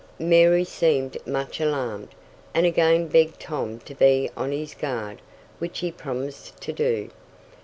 Mary seemed much alarmed, and again begged Tom to be on his guard, which he promised to do.